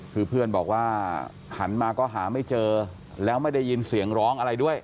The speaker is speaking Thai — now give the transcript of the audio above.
คือเพื่อนบอกว่าหันมาก็หาไม่เจอแล้วไม่ได้ยินเสียงร้องอะไรด้วย